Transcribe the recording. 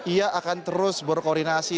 ia akan terus berkoordinasi